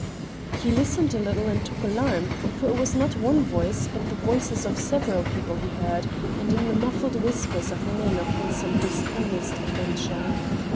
He listened a little and took alarm, for it was not one voice but the voices of several people he heard, and in the muffled whispers of men upon some dishonest adventure.